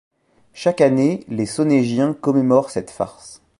Chaque année, les sonégiens commémorent cette farce.